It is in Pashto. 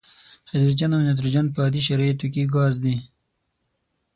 هایدروجن او نایتروجن په عادي شرایطو کې ګاز دي.